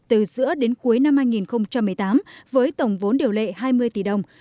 từ giữa đến cuối năm hai nghìn một mươi tám với tổng vốn điều lệ hai mươi tỷ đồng